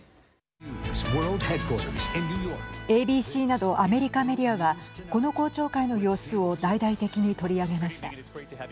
ＡＢＣなどアメリカメディアはこの公聴会の様子を大々的に取り上げました。